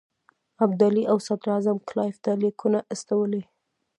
ابدالي او صدراعظم کلایف ته لیکونه استولي.